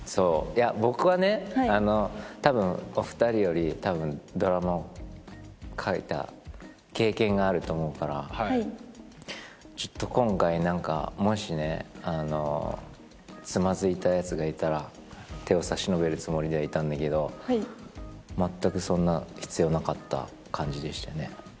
いや僕はねお二人よりたぶんドラマを書いた経験があると思うからちょっと今回何かもしねつまずいたやつがいたら手を差し伸べるつもりではいたんだけどまったくそんな必要なかった感じでしたね。